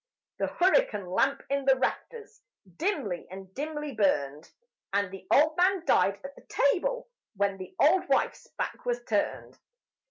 The hurricane lamp in the rafters dimly and dimly burned; And the old man died at the table when the old wife's back was turned.